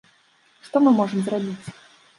Што мы можам зрабіць?